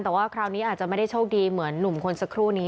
แต่ว่าคราวนี้อาจจะไม่ได้โชคดีเหมือนหนุ่มคนสักครู่นี้